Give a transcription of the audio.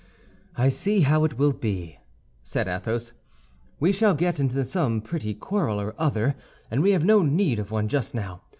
"I see how it will be," said Athos: "we shall get into some pretty quarrel or other, and we have no need of one just now.